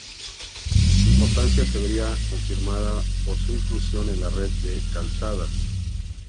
Su importancia se vería confirmada por su inclusión en la red de calzadas.